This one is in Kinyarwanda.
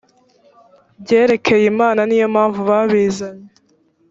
byerekeye imana niyompamvu babizanye